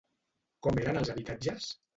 Com eren els habitatges?